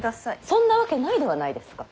そんなわけないではないですか。